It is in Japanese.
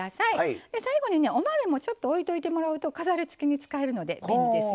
最後にねお豆もちょっと置いておいてもらうと飾りつけに使えるので便利ですよ。